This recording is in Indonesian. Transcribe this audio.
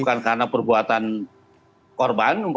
bukan karena perbuatan korban